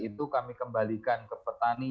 itu kami kembalikan ke petani